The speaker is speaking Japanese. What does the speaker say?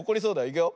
いくよ。